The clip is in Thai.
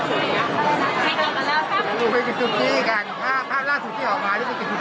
อ๋อเดี๋ยวไม่ได้เห็นค่ะเราตอบความรู้มันเป็นค่าเมื่อปีเอ่อหลายปีที่แล้ว